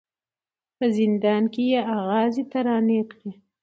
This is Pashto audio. په زندان کي یې آغازي ترانې کړې